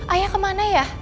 ayah kemana ya